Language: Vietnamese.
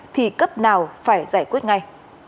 thì cấp nào phải giải quyết ngay